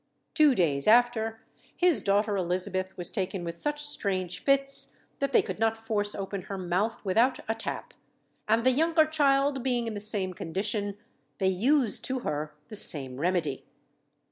Two days after, his daughter Elizabeth was taken with such strange fits, that they could not force open her mouth without a tap; and the younger child being in the same condition, they used to her the same remedy.